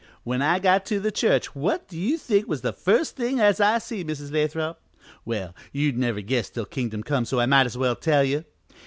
"When I got to the church, what do you think was the first thing as I see, Mrs. Lathrop? Well, you'd never guess till kingdom come, so I may as well tell you.